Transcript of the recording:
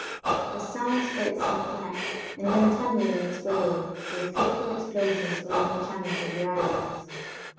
The sound spread itself flat, and then went tunnelling its way with fitful explosions among the channels of the islands.